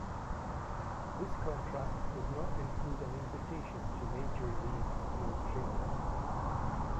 This contract did not include an invitation to major league spring training.